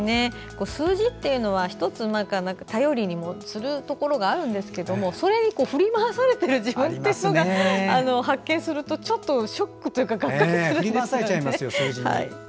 数字っていうのは１つ頼りにもするところがあるんですけどそれに振り回されている自分を発見するとちょっとショックというかガッカリしますよね。